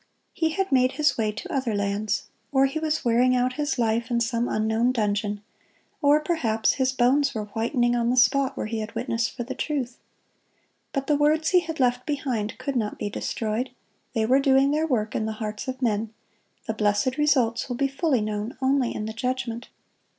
He had made his way to other lands, or he was wearing out his life in some unknown dungeon, or perhaps his bones were whitening on the spot where he had witnessed for the truth. But the words he had left behind could not be destroyed. They were doing their work in the hearts of men; the blessed results will be fully known only in the judgment.